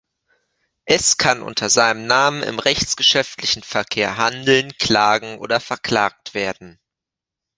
Es kann unter seinem Namen im rechtsgeschäftlichen Verkehr handeln, klagen oder verklagt werden.